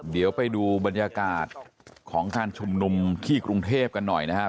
เดี๋ยวไปดูบรรยากาศของการชุมนุมที่กรุงเทพกันหน่อยนะฮะ